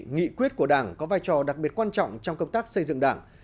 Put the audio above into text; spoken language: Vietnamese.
nghị quyết của đảng có vai trò đặc biệt quan trọng trong công tác xây dựng đảng